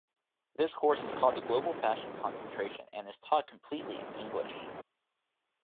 This course is called the Global Fashion Concentration and is taught completely in English.